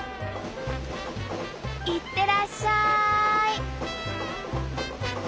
いってらっしゃい。